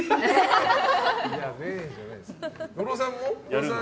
野呂さんも？